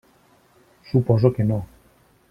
Suposo que no.